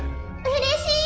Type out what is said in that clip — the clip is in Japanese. うれしい！